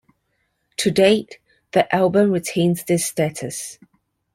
To date, the album retains this status.